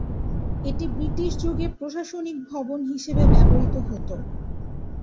এটি ব্রিটিশ যুগে প্রশাসনিক ভবন হিসাবে ব্যবহৃত হত।